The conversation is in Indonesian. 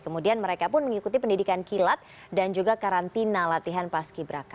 kemudian mereka pun mengikuti pendidikan kilat dan juga karantina latihan paski beraka